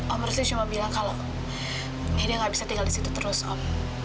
om harusnya cuma bilang kalau nedi gak bisa tinggal di situ terus om